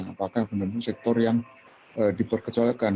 apakah benar benar sektor yang diperkecualikan